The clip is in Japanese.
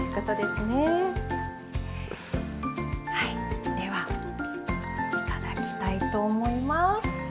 はいではいただきたいと思います。